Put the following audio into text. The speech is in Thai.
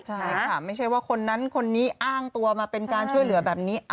ใช่ค่ะไม่ใช่ว่าคนนั้นคนนี้อ้างตัวมาเป็นการช่วยเหลือแบบนี้